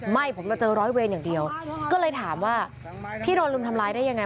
ไม่ผมจะเจอร้อยเวรอย่างเดียวก็เลยถามว่าพี่โดนรุมทำร้ายได้ยังไง